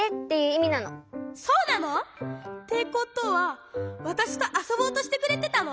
そうなの！？ってことはわたしとあそぼうとしてくれてたの？